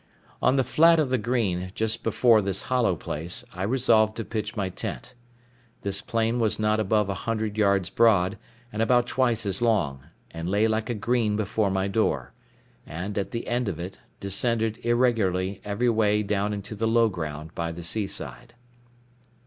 On the flat of the green, just before this hollow place, I resolved to pitch my tent. This plain was not above a hundred yards broad, and about twice as long, and lay like a green before my door; and, at the end of it, descended irregularly every way down into the low ground by the seaside.